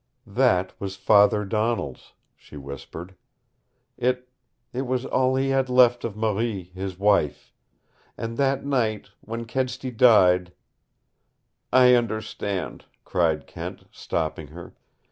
"That was father Donald's," she whispered. "It it was all he had left of Marie, his wife. And that night when Kedsty died " "I understand," cried Kent, stopping her.